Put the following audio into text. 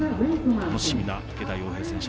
楽しみな池田耀平選手。